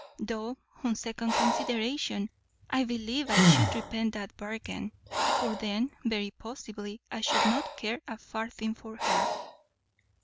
Though, on second consideration, I believe I should repent that bargain; for then, very possibly, I should not care a farthing for her."